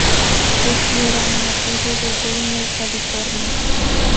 Curtin era un nativo de Downey, California.